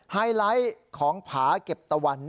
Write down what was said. สุดท้ายของหมาเก็บตะวัน